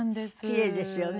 奇麗ですよね。